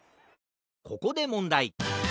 ここでもんだい！